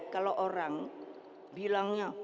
kalau orang bilangnya